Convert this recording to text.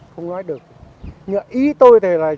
nhưng mà ý tôi thì là